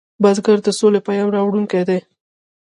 بزګر د سولې پیام راوړونکی دی